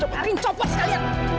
bikin copot sekalian